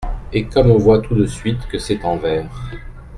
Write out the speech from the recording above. Et comme on voit tout de suite que c’est en vers !